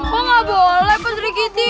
kok gak boleh pak sri giti